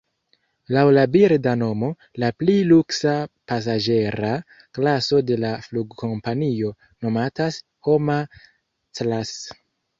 Laŭ la birda nomo, la pli luksa pasaĝera klaso de la flugkompanio nomatas "Homa-Class".